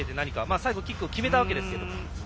最後キックを決めたわけですが。